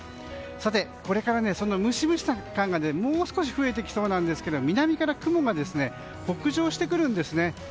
さて、これからはそのムシムシ感がもう少し増えてきそうなんですが南から雲が北上してくるんですね。